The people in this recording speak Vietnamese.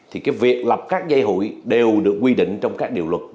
thì cái việc lập các dây hụi đều được quy định trong các điều luật